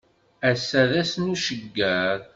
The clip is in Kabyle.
Ass-a d ass n ucegger.